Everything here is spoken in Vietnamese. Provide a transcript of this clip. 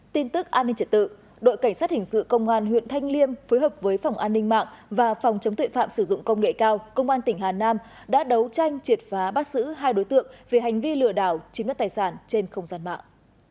tin tức an ninh trật tự đội cảnh sát hình sự công an huyện thanh liêm phối hợp với phòng an ninh mạng và phòng chống tuệ phạm sử dụng công nghệ cao công an tỉnh hà nam đã đấu tranh triệt phá bắt xử hai đối tượng về hành vi lừa đảo chiếm đất tài sản trên không gian mạng